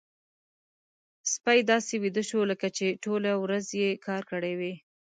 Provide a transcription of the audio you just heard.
سپی داسې ویده شو لکه چې ټولې ورځې يې کار کړی وي.